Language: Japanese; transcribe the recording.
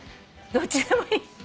どっちでもいい。